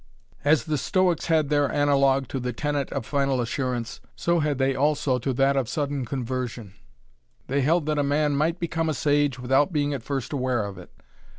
As the Stoics had their analogue to the tenet of final assurance, so had they also to that of sudden conversion. They held that a man might become a sage without being at first aware of it.